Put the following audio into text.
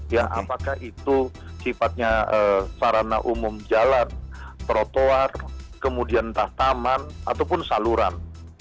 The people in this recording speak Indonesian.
ya apakah itu sifatnya sarana umum jalan trotoar kemudian entah taman ataupun saluran